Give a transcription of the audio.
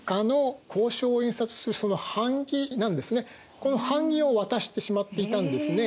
この版木を渡してしまっていたんですね。